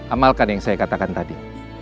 amalkan yang saya katakan tadi